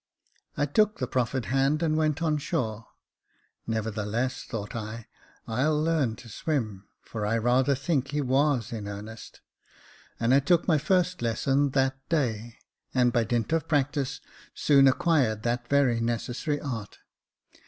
I took the proffered hand, and went on shore. " Never theless," thought I, *' I'll learn to swim ; for I rather think he was in earnest." And I took my first lesson that day ; and, by dint of practice, soon acquired that very necessary art.